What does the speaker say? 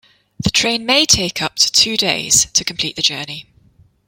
The train may take up to two days to complete the journey.